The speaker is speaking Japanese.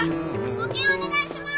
募金お願いします！